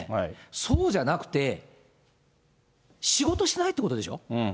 そうじゃなくて、仕事してないってことでしょう。